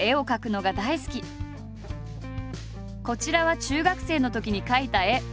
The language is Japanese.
こちらは中学生のときに描いた絵。